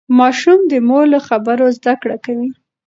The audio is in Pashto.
ماشوم د مور له خبرو زده کړه کوي.